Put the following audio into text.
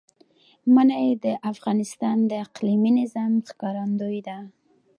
منی د افغانستان د اقلیمي نظام ښکارندوی ده.